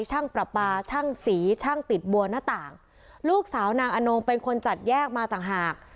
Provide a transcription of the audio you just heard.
ประปาช่างสีช่างติดบัวหน้าต่างลูกสาวนางอนงเป็นคนจัดแยกมาต่างหาก